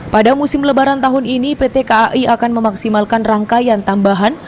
pada musim lebaran tahun ini pt kai akan memaksimalkan rangkaian tambahan